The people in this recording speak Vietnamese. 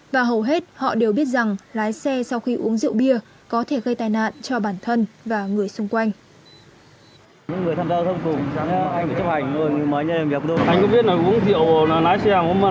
và hầu hết họ đều biết rằng lái xe sau khi uống rượu bia có thể gây tai nạn cho bản thân và người xung quanh